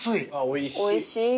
おいしい。